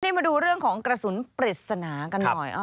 มาดูเรื่องของกระสุนปริศนากันหน่อย